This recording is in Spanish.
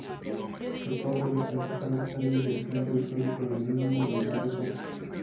Recorre las principales calles del centro histórico de Lima y los barrios altos.